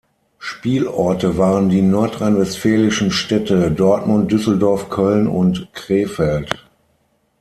Spielorte waren die nordrhein-westfälischen Städte Dortmund, Düsseldorf, Köln und Krefeld.